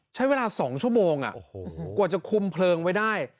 ใช้เวลา๒ชั่วโมงกว่าจะคุมเพลิงไว้ได้